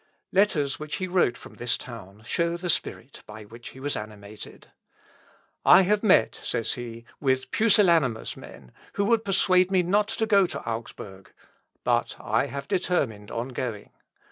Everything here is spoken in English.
Letters which he wrote from this town show the spirit by which he was animated. "I have met," says he, "with pusillanimous men, who would persuade me not to go to Augsburg; but I have determined on going.